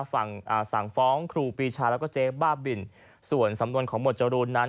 สั่งฟ้องครูปีชาแล้วก็เจ๊บ้าบินส่วนสำนวนของหมวดจรูนนั้น